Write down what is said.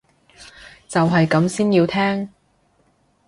就係咁先要聽